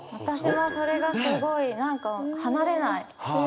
私はそれがすごい何か離れない。